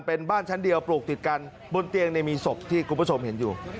เป็นบ้านชั้นเดียวปลูกติดกันบนเตียงมีศพที่คุณผู้ชมเห็นอยู่